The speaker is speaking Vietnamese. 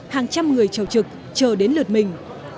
hàng trăm người trầu trực chờ đến lượt mình